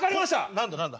何だ何だ？